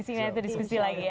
nanti kita diskusi lagi ya